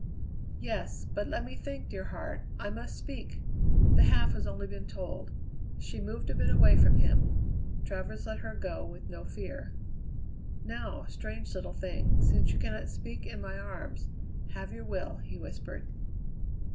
"Yes! But let me think, dear heart. I must speak; the half has only been told." She moved a bit away from him. Travers let her go with no fear. "Now, strange little thing, since you cannot speak in my arms, have your will!" he whispered.